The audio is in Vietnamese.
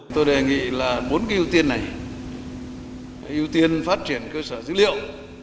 tôi đề nghị là bốn cái ưu tiên này ưu tiên phát triển cơ sở dữ liệu